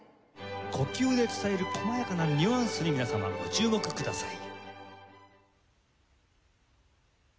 呼吸で伝える細やかなニュアンスに皆様ご注目ください。